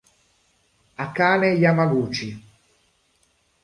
Akane Yamaguchi